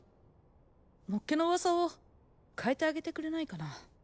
もっけの噂を変えてあげてくれないかな？